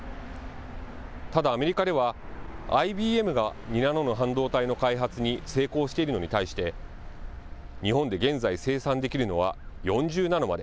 ただアメリカでは、ＩＢＭが２ナノの半導体の開発に成功しているのに対して、日本で現在生産できるのは４０ナノまで。